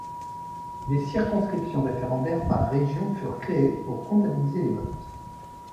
Des circonscriptions référendaires par région furent créés pour comptabiliser les votes.